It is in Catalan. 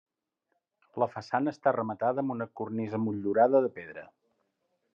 La façana està rematada amb una cornisa motllurada de pedra.